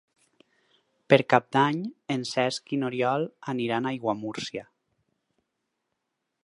Per Cap d'Any en Cesc i n'Oriol aniran a Aiguamúrcia.